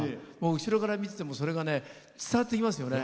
後ろから見ててもそれが伝わってきますよね。